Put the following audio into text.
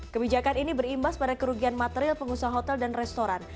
kebijakan ini berimbas pada kerugian material pengusaha hotel dan restoran